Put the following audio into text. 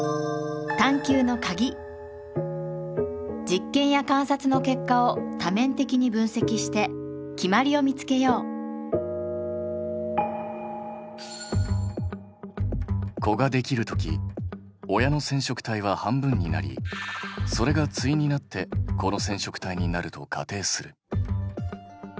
実験や観察の結果を多面的に分析して決まりを見つけよう子ができるとき親の染色体は半分になりそれが対になって子の染色体になると仮定する。